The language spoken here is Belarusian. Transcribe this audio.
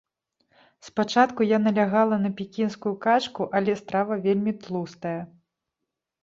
Спачатку я налягала на пекінскую качку, але страва вельмі тлустая.